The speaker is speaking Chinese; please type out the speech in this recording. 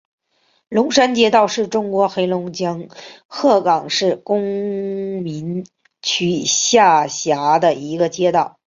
龙山街道是中国黑龙江省鹤岗市工农区下辖的一个街道。